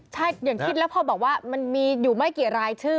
ใช่อย่างคิดแล้วพอบอกว่ามันมีอยู่ไม่กี่รายชื่อ